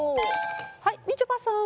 はいみちょぱさん。